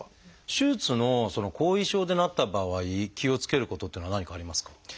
手術の後遺症でなった場合気をつけることっていうのは何かありますか？